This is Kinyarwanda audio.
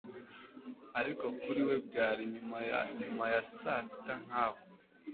Ariko kuri we byari nyuma ya nyuma ya saa sita nka we,